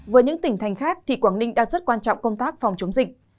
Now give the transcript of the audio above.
với những tỉnh thành khác thì quảng ninh đang rất quan trọng công tác phòng chống dịch